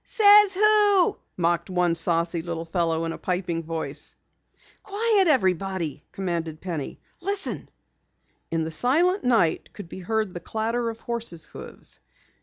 "Says who?" mocked one saucy little fellow in a piping voice. "Quiet everyone!" commanded Penny suddenly. "Listen!" In the silent night could be heard the clatter of horses' hoofs.